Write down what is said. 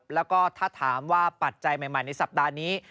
แล้วก็ถ้าถามว่าปัจจัยใหม่ในสัปดาห์นี้